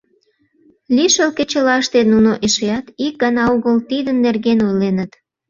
Лишыл кечылаште нуно эшеат ик гана огыл тидын нерген ойленыт.